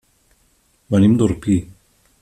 Venim d'Orpí.